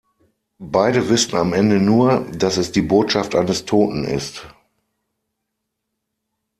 Beide wissen am Ende nur, dass es die Botschaft eines Toten ist.